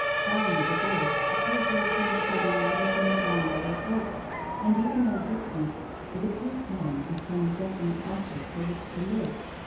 Buying a divorce appeared IN THE BLACK COUNTRY 15 to have come suddenly within the boundary of hope, and even though distant it appealed to him as some definite object for which to live.